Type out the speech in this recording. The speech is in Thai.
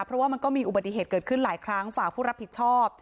เพราะว่ามันก็มีอุบัติเหตุเกิดขึ้นหลายครั้งฝากผู้รับผิดชอบ